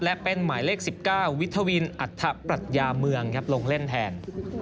และเป็นหมายเลข๑๙วิทวินอัฐปรัชญาเมืองลงเล่นแทน